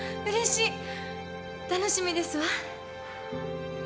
楽しみですわ。